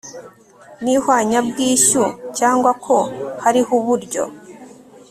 n ihwanyabwishyu cyangwa ko hariho uburyo